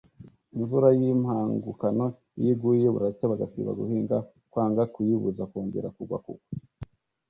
Imvura y’impangukano iyo iguye, buracya bagasiba guhinga, kwanga kuyibuzakongera kugwa kugwa